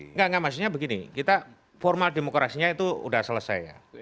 enggak enggak maksudnya begini kita formal demokrasinya itu sudah selesai ya